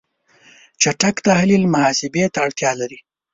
چټک تحلیل محاسبه ته اړتیا لري.